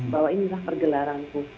bahwa inilah pergelaranku